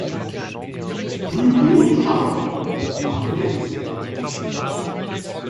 Rue des Hauts de Charon à Mellecey